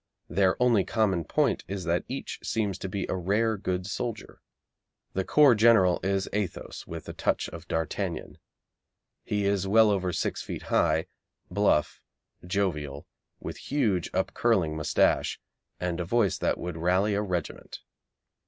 Their only common point is that each seems to be a rare good soldier. The corps general is Athos with a touch of d'Artagnan. He is well over six feet high, bluff, jovial, with huge, up curling moustache, and a voice that would rally a regiment.